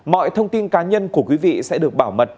mọi thông tin cá nhân của quý vị sẽ được bảo mật